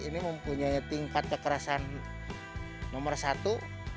ini mempunyai tingkat kekerasan nomor satu